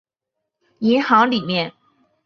银行里面